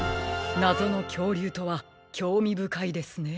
なぞのきょうりゅうとはきょうみぶかいですね。